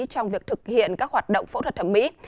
trong việc thực hiện các hoạt động phẫu thuật thẩm mỹ